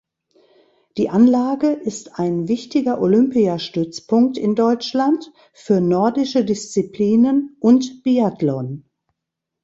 Die Anlage ist ein wichtiger Olympiastützpunkt in Deutschland für nordische Disziplinen und Biathlon.